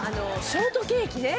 ショートケーキね。